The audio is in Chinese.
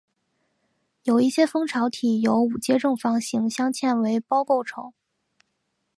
有一些蜂巢体由五阶正方形镶嵌为胞构成